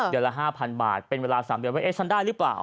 เดี๋ยวละ๕๐๐๐บาทเป็นเวลาสามเดือนว่าเอ๊ะฉันได้รึเปล่า